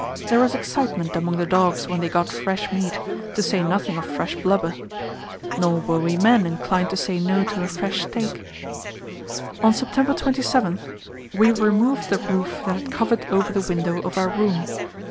There was excitement among the dogs when they got fresh meat, to say nothing of fresh blubber. Nor were we men inclined to say no to a fresh steak. On September 27 we removed the roof that had covered over the window of our room.